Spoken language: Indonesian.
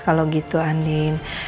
kalau gitu andien